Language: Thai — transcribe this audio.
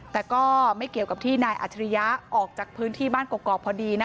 แต่ก็ไม่เกี่ยวกับที่นายอัจฉริยะออกจากพื้นที่บ้านกรอกพอดี